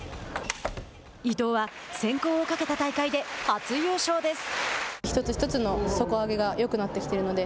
伊藤は、選考をかけた大会で初優勝です。